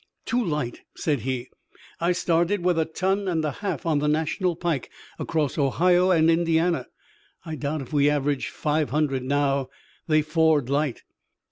"Too light," said he. "I started with a ton and a half on the National Pike across Ohio and Indiana. I doubt if we average five hundred now. They ford light."